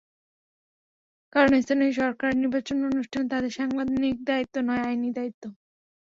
কারণ, স্থানীয় সরকারের নির্বাচন অনুষ্ঠান তাদের সাংবিধানিক দায়িত্ব নয়, আইনি দায়িত্ব।